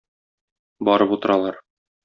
Барып утыралар.